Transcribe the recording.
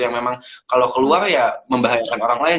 yang memang kalau keluar ya membahayakan orang lain